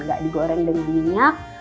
nggak digoreng dengan minyak